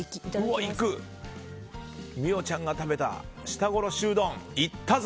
美桜ちゃんが食べた舌殺しうどん、いったぞ。